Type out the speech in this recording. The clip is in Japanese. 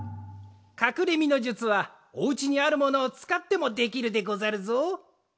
かくれみのじゅつはおうちにあるものをつかってもできるでござるぞ。